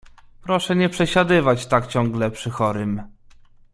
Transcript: — Proszę nie przesiadywać tak ciągle przy chorym.